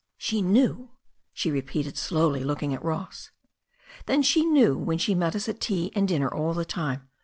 "She knew I" she repeated slowly, looking at Ross. "Then she knew when she met us at tea and dinner all the time.